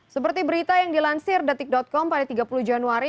seperti berita yang dilansir detik com pada tiga puluh januari